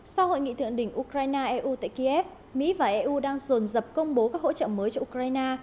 sau hội nghị thượng đỉnh ukraine eu tại kiev mỹ và eu đang rồn dập công bố các hỗ trợ mới cho ukraine